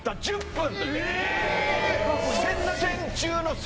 ・１０分！